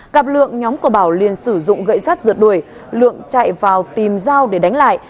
gặp lượng nhóm của bảo liên sử dụng gậy sắt rượt đuổi lượng chạy vào tìm dao để đánh lại